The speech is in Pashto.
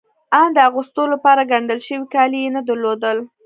آن د اغوستو لپاره ګنډل شوي کالي يې نه درلودل.